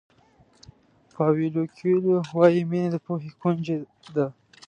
پاویلو کویلو وایي مینه د پوهې کونجۍ ده.